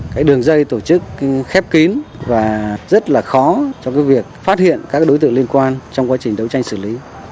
cái đường dây tổ chức khép kín và rất là khó cho cái việc phát hiện các đối tượng liên quan trong quá trình đấu tranh xử lý